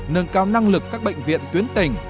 nâng cao năng lực các bệnh viện tuyến tỉnh